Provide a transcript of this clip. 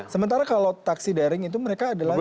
sementara kalau taksi daring itu mereka adalah